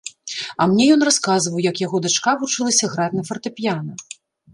А мне ён расказваў, як яго дачка вучылася граць на фартэпіяна.